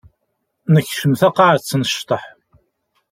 Nekcem taqaɛet n ccḍeḥ.